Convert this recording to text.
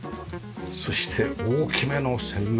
そして大きめの洗面。